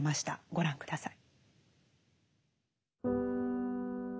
ご覧下さい。